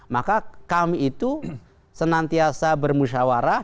maka kami itu senantiasa bermusyawarah